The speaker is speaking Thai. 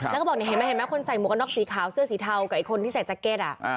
แล้วก็บอกเห็นมั้ยคนใส่หมวกนอกสีขาวเสื้อสีเทากับคนที่ใส่จักรเก็ตล่ะ